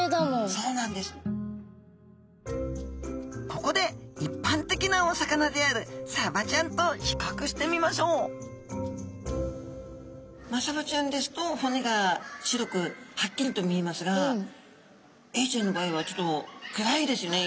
ここでいっぱん的なお魚であるサバちゃんと比較してみましょうマサバちゃんですと骨が白くはっきりと見えますがエイちゃんの場合はちょっと暗いですよね。